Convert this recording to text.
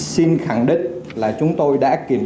xin khẳng định là chúng tôi đã kiểm tra